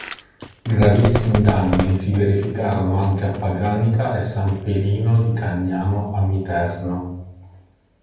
Gravissimi danni si verificarono anche a Paganica e San Pelino di Cagnano Amiterno.